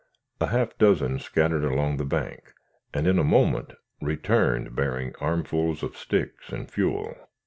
A half dozen scattered along the bank, and in a moment returned bearing armfuls of sticks and fuel.